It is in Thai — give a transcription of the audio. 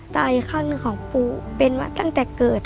ตายข้างหนึ่งของปู่เป็นว่าตั้งแต่เกิด